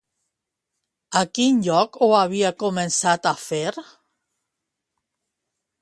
A quin lloc ho havia començat a fer?